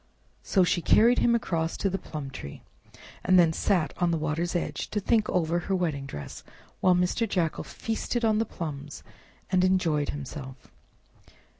So she carried him across to the plum tree, and then sat on the water's edge to think over her wedding dress, while Mr. Jackal feasted on the plums and enjoyed himself.